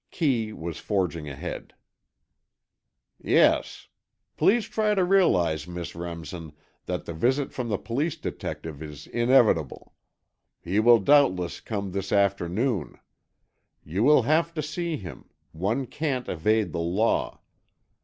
Kee was forging ahead. "Yes. Please try to realize, Miss Remsen, that the visit from the police detective is inevitable. He will doubtless come this afternoon. You will have to see him; one can't evade the law.